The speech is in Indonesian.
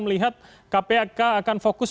melihat kpk akan fokus